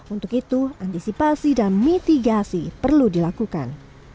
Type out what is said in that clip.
untuk itu antisipasi dan mitigasi perlu dilakukan